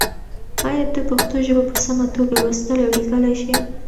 ایا ته پښتو ژبه په سمه توګه لوستلی او لیکلی شې؟